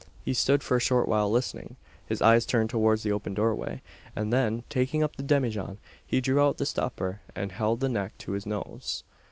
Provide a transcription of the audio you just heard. He stood for a short while listening his eyes turned towards the open doorway; and then, taking up the demijohn, he drew out the stopper, and held the neck to his nose.